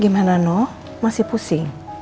gimana noh masih pusing